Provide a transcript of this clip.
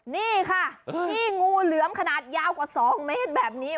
นี่ค่ะนี่งูเหลือมขนาดยาวกว่า๒เมตรแบบนี้